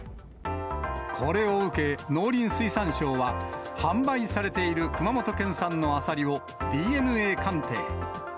これを受け、農林水産省は、販売されている熊本県産のアサリをＤＮＡ鑑定。